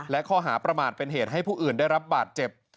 และข้อหาประมาทเป็นเหตุให้ผู้อื่นได้รับบาดเจ็บ